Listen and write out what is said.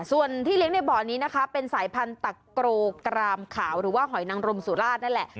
ส่วนที่เลี้ยงในบ่อนี้นะคะเป็นสายพันธักโกรกรามขาวหรือว่าหอยนังรมสุราชนั่นแหละ